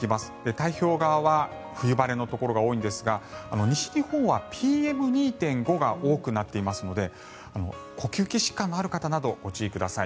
太平洋側は冬晴れのところが多いんですが西日本はＰＭ２．５が多くなっていますので呼吸器疾患のある方などご注意ください。